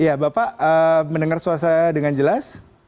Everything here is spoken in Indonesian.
ya bapak mendengar suasana dengan jelas